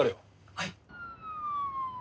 はい。